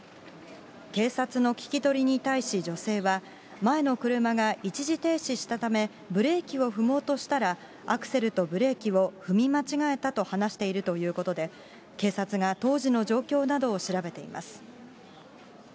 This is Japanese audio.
警察の聞き取りに対し女性は、前の車が一時停止したため、ブレーキを踏もうとしたらアクセルとブレーキを踏み間違えたと話しているということで、警察が当時の状況などを調べています。